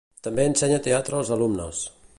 També ensenya teatre als alumnes.